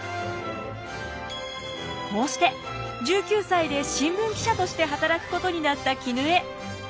こうして１９歳で新聞記者として働くことになった絹枝。